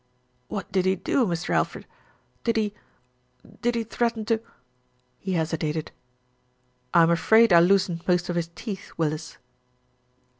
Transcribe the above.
"What did he do, Mr. Alfred? Did he did he threaten to " He hesitated. "I'm afraid I loosened most of his teeth, Willis."